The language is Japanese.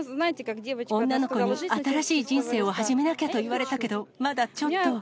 女の子に新しい人生を始めなきゃと言われたけど、まだちょっと。